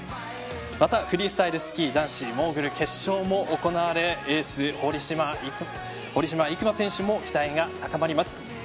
また、フリースタイルスキー男子モーグル決勝も行われエース堀島行真選手も期待が高まります。